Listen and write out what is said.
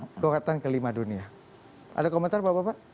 kekuatan kelima dunia ada komentar bapak bapak